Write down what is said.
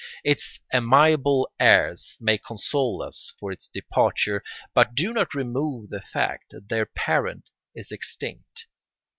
Its amiable heirs may console us for its departure, but do not remove the fact that their parent is extinct.